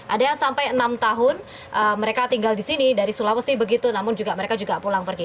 ada yang sampai enam tahun mereka tinggal di sini dari sulawesi begitu namun mereka juga pulang pergi